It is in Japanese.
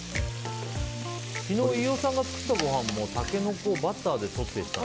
昨日飯尾さんが作ったごはんもタケノコを、バターでってね。